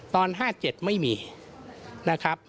ตอน๕๗ไม่มีนะครับ